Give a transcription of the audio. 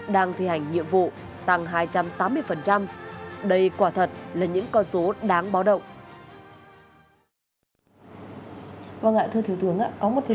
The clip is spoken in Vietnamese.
đang thi hành nhiệm vụ